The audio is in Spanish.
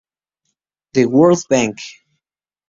The World Bank.